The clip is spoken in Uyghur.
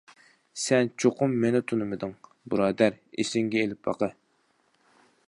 -سەن چوقۇم مېنى تونۇمىدىڭ، بۇرادەر، ئېسىڭگە ئېلىپ باقە!